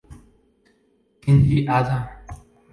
Kenji Hada